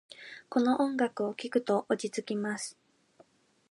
この音楽を聴くと落ち着きます。